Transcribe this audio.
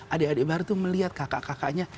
adik adik baru itu melihat kakak kakaknya